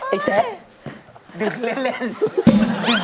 ไอ้แซ่ดึกเล่นเลย